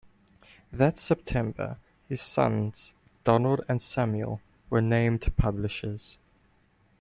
That September his sons, Donald and Samuel, were named publishers.